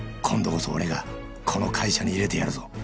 今度こそ俺がこの会社に入れてやるぞ